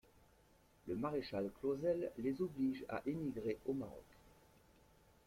Le Maréchal Clauzel les oblige à émigrer au Maroc.